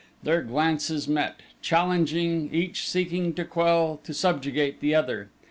Their glances met, challenging, each seeking to quell, to subjugate the other....